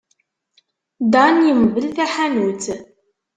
Dan yemdel taḥanut.